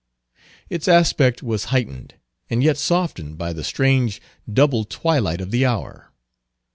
Its aspect was heightened, and yet softened, by the strange double twilight of the hour.